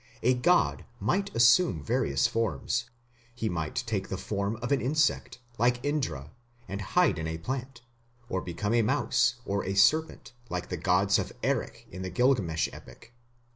A god might assume various forms; he might take the form of an insect, like Indra, and hide in a plant, or become a mouse, or a serpent, like the gods of Erech in the Gilgamesh epic.